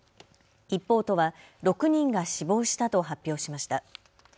一方、都は６人が死亡したと発表しました。